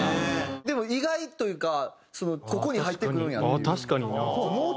でも意外というかここに入ってくるんやっていう。